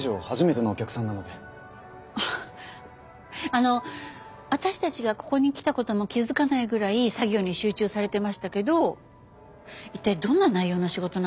あの私たちがここに来た事も気づかないぐらい作業に集中されてましたけど一体どんな内容の仕事なんですか？